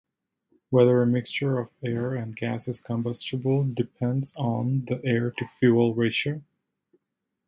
Whether a mixture of air and gas is combustible depends on the air-to-fuel ratio.